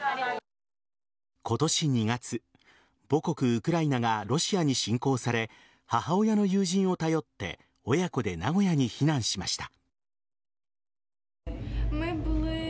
今年２月母国・ウクライナがロシアに侵攻され母親の友人を頼って親子で名古屋に避難しました。